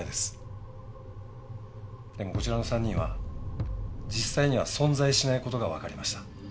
でもこちらの３人は実際には存在しない事がわかりました。